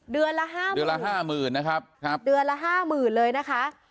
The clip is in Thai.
เดือนละห้าหมื่นเดือนละห้าหมื่นนะครับครับเดือนละห้าหมื่นเลยนะคะ